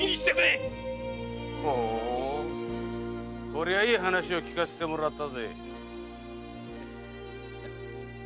〔ほうこりゃいい話を聞かせてもらったぜ〕